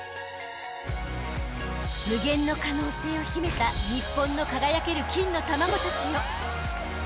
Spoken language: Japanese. ［無限の可能性を秘めた日本の輝ける金の卵たちよ］